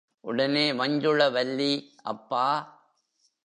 உடனே வஞ்சுளவல்லி அப்பா!